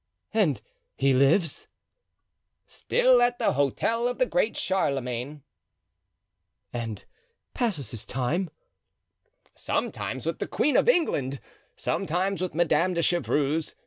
"And he lives?" "Still at the Hotel of the Great Charlemagne." "And passes his time?" "Sometimes with the queen of England, sometimes with Madame de Chevreuse.